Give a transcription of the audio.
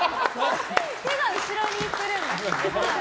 手が後ろにいってるんだ。